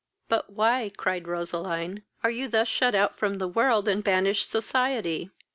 "But why (cried Roseline) are you thus shut out from the world, and banished society?